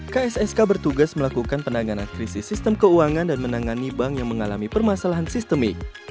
kssk bertugas melakukan penanganan krisis sistem keuangan dan menangani bank yang mengalami permasalahan sistemik